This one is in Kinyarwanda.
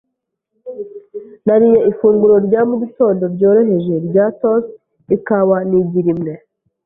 Nariye ifunguro rya mu gitondo ryoroheje rya toast, ikawa, n'igi rimwe.